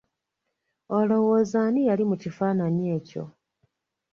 Olowooza ani yali mu kifaanaanyi ekyo?